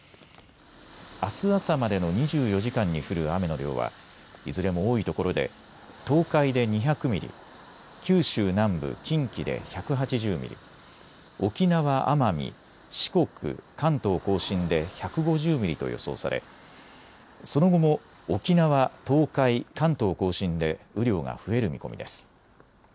あす朝までの２４時間に降る雨の量はいずれも多いところで東海で２００ミリ、九州南部、近畿で１８０ミリ、沖縄、奄美、四国、関東甲信で１５０ミリと予想されその後も沖縄、東海、関東甲信で雨量が増える見込みです。